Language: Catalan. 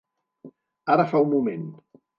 Ara fa un moment.